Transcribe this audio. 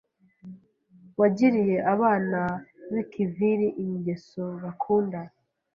Wagiriye abana b'i Kiviri ingeso bakunda